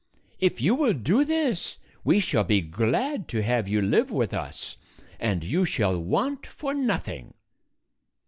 If you will do this, we shall be glad to have you live with us, and you shall want for nothing."